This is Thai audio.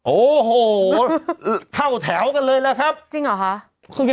โอ้โหเข้าแถวกันเลยล่ะครับจริงเหรอคะ